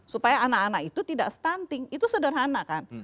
supaya anak anak itu tidak stunting itu sederhana kan